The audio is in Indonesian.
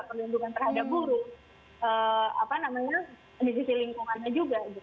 perlindungan terhadap guru di sisi lingkungannya juga